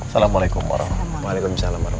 semuanya aman kan